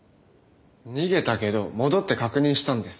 逃げたけど戻って確認したんです。